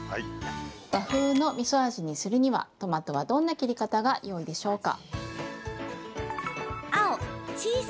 和風のみそ味にするには、トマトはどんな切り方がよいでしょうか？